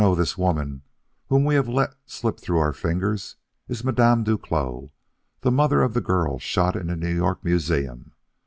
This woman whom we have let slip through our fingers is Madame Duclos, the mother of the girl shot in a New York museum.